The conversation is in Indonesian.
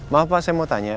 maaf pak saya mau tanya